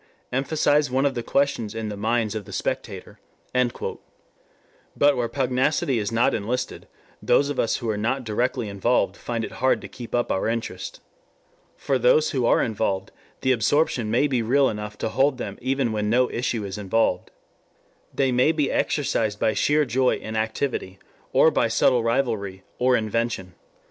Emphasize one of the questions in the minds of the spectator.,.."] But where pugnacity is not enlisted, those of us who are not directly involved find it hard to keep up our interest. For those who are involved the absorption may be real enough to hold them even when no issue is involved. They may be exercised by sheer joy in activity, or by subtle rivalry or invention.